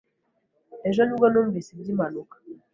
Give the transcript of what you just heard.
Ejo ni bwo numvise iby'impanuka.